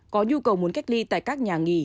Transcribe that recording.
có nhu cầu muốn cách ly tại các nhà nghỉ